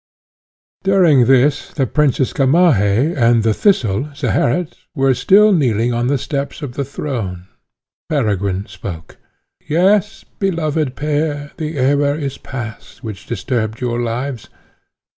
During this the Princess Gamaheh and the Thistle, Zeherit, were still kneeling on the steps of the throne. Peregrine spoke: "Yes, beloved pair, the error is past, which disturbed your lives.